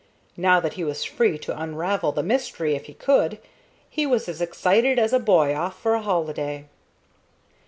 Now that he was free to unravel the mystery if he could, he was as excited as a boy off for a holiday.